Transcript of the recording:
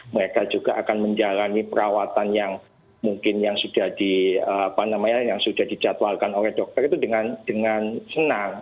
mereka juga akan menjalani perawatan yang mungkin yang sudah dijadwalkan oleh dokter itu dengan senang